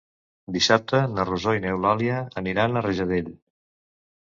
Dissabte na Rosó i n'Eulàlia aniran a Rajadell.